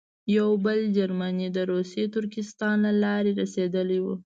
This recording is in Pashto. یو بل جرمنی د روسي ترکستان له لارې رسېدلی وو.